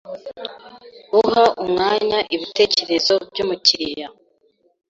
Guha umwanya ibitekerezo by’umukiriya